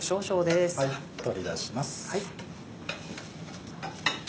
取り出します。